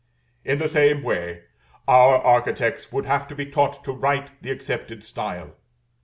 In the same way our architects would have to be taught to write the accepted style.